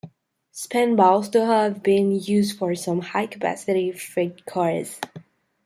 Span bolsters have been used for some high-capacity freight cars.